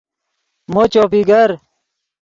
مو چوپی گر